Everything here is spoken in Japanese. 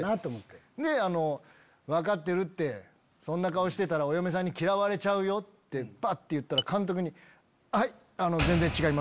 で「分かってるってそんな顔してたらお嫁さんに嫌われちゃうよ」ってバッて言ったら監督に「はい」。